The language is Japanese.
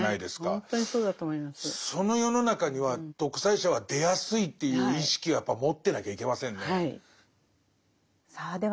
その世の中には独裁者は出やすいという意識はやっぱ持ってなきゃいけませんね。